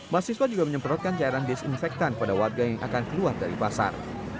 mahasiswa juga menyemprotkan cairan disinfektan pada warga yang akan keluar dari pasar